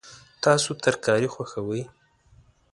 تاسو ترکاري خوښوئ؟